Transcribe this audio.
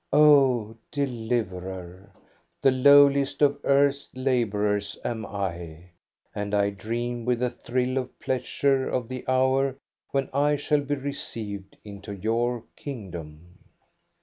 Oh deliverer ! The lowliest of earth's laborers am I, and I dream with a thrill of pleasure of the hour when I shall be received into your kingdom.